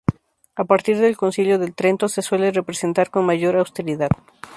A partir del Concilio de Trento, se suele representar con mayor austeridad.